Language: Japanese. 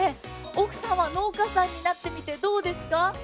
奥様は農家さんになってどうですか？